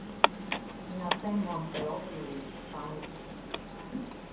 In that same month they also released "Family Cooking".